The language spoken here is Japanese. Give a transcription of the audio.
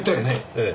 ええ。